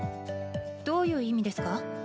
どういう意味ですか？